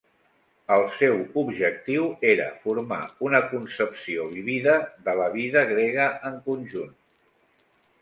El seu objectiu era formar una concepció vívida de la vida grega en conjunt.